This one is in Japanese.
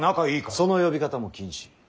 その呼び方も禁止。